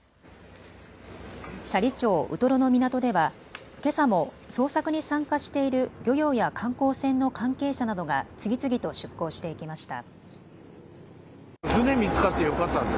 斜里町ウトロの港ではけさも捜索に参加している漁業や観光船の関係者などが次々と出港していきました。